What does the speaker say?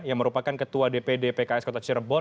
yang merupakan ketua dpd pks kota cirebon